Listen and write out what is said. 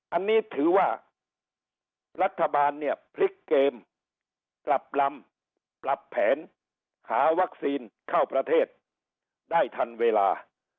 อันนี้ถือว่ารัฐบาลเนี่ยพลิกเกมปรับลำปรับแผนหาวัคซีนเข้าประเทศได้ทันเวลา